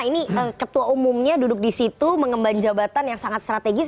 ini ketua umumnya duduk di situ mengemban jabatan yang sangat strategis